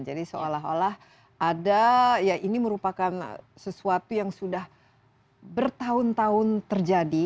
jadi seolah olah ada ya ini merupakan sesuatu yang sudah bertahun tahun terjadi